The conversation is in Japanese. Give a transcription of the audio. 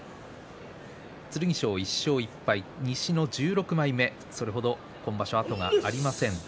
剣翔は１勝１敗、西の１６枚目今場所、後がありません。